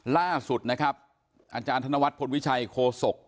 ล่าสุดอาจารย์ธนวัฒน์พลวิชัยโคศก